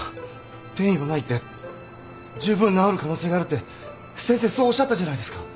転移はないって十分治る可能性があるって先生そうおっしゃったじゃないですか。